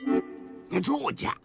そうじゃ！